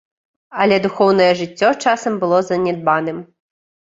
Але духоўнае жыццё часам было занядбаным.